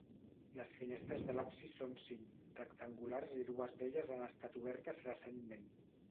Les finestres de l'absis són cinc, rectangulars i dues d'elles han estat obertes recentment.